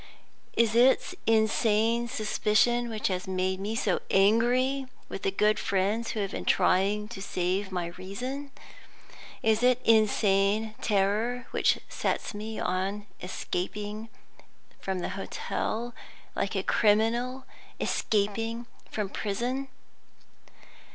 Is it insane suspicion which has made me so angry with the good friends who have been trying to save my reason? Is it insane terror which sets me on escaping from the hotel like a criminal escaping from prison?